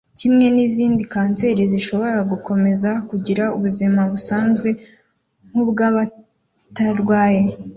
kimwe n’izindi kanseri ashobora gukomeza kugira ubuzima busanzwe nk’ubw’abatarwaye